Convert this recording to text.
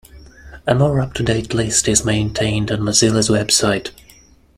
A more up-to-date list is maintained on Mozilla's web site.